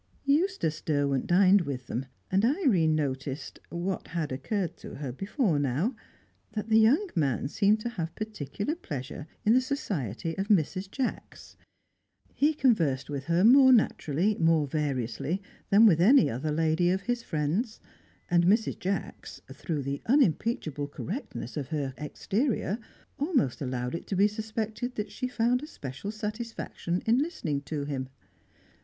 Eustace Derwent dined with them, and Irene noticed what had occurred to her before now that the young man seemed to have particular pleasure in the society of Mrs. Jacks; he conversed with her more naturally, more variously, than with any other lady of his friends; and Mrs. Jacks, through the unimpeachable correctness of her exterior, almost allowed it to be suspected that she found a special satisfaction in listening to him.